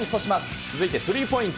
続いてスリーポイント。